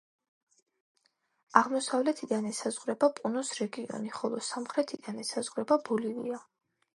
აღმოსავლეთიდან ესაზღვრება პუნოს რეგიონი, ხოლო სამხრეთიდან ესაზღვრება ბოლივია.